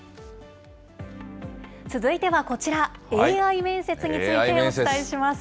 続いてはこちら、ＡＩ面接についてお伝えします。